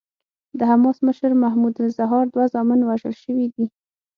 د حماس مشر محمود الزهار دوه زامن وژل شوي دي.